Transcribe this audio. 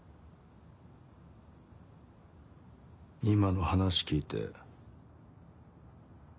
今の話聞いて。